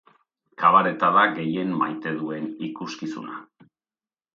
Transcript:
Kabareta da gehien maite duen ikuskizuna.